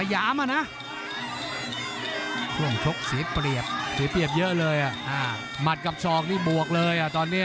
ช่วงชกเสียเปรียบเสียเปรียบเยอะเลยหมัดกับศอกนี่บวกเลยอ่ะตอนนี้